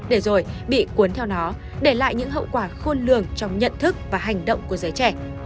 để rồi bị cuốn theo nó để lại những hậu quả khôn lường trong nhận thức và hành động của giới trẻ